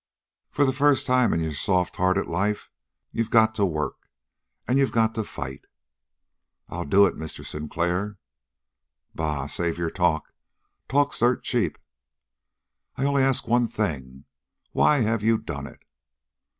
For the first time in your soft hearted life you've got to work, and you've got to fight." "I'll do it, Mr. Sinclair!" "Bah! Save your talk. Talk's dirt cheap." "I only ask one thing. Why have you done it?"